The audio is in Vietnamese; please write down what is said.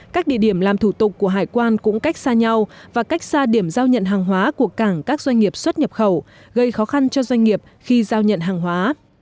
các địa điểm làm thủ tục của hải quan cũng cách xa nhau và cách xa điểm giao nhận hàng hóa của cảng các doanh nghiệp xuất nhập khẩu gây khó khăn cho doanh nghiệp khi giao nhận hàng hóa